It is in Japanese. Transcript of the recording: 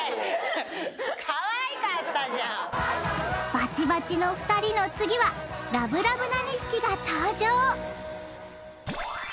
バチバチの２人の次はラブラブな２匹が登場